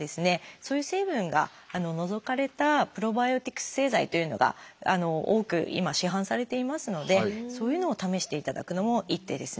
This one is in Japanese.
そういう成分が除かれたプロバイオティクス製剤というのが多く今市販されていますのでそういうのを試していただくのも一手ですね。